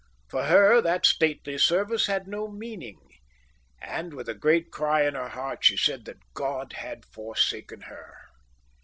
For her that stately service had no meaning. And with a great cry in her heart she said that God had forsaken her.